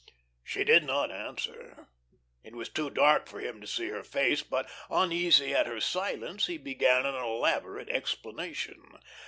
She did not answer. It was too dark for him to see her face; but, uneasy at her silence, he began an elaborate explanation.